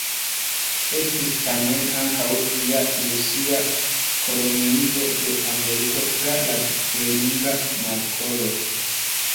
Estis tamen ankaŭ ia Rusia koloniigo de Ameriko tra la Beringa Markolo.